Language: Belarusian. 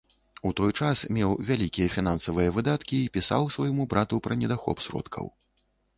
У той час меў вялікія фінансавыя выдаткі і пісаў свайму брату пра недахоп сродкаў.